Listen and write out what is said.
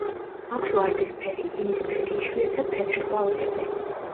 აქვს ვარდისფერი, იისფერი, იშვიათად თეთრი ყვავილები.